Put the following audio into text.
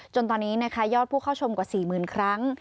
จนตอนนี้นะคะยอดผู้เข้าชมกว่า๔๐๐๐ครั้ง